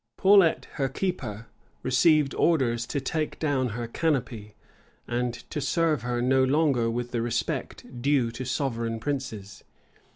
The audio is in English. [] Paulet, her keeper, received orders to take down her canopy, and to serve her no longer with the respect due to sovereign princes.